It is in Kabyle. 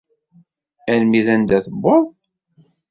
Armi d anda tewweḍ?